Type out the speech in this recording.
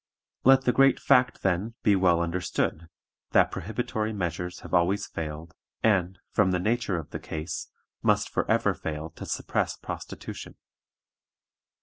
"Let the great fact, then, be well understood, that prohibitory measures have always failed, and, from the nature of the case, must forever fail to suppress prostitution.